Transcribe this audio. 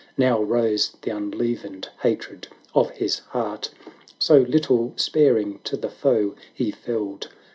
Now rose the unleavened hatred of his heart ; So little sparing to the foe he felled.